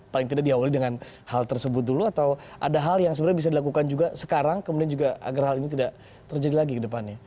paling tidak diawali dengan hal tersebut dulu atau ada hal yang sebenarnya bisa dilakukan juga sekarang kemudian juga agar hal ini tidak terjadi lagi ke depannya